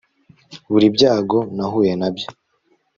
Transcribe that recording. buri byago nahuye nabyo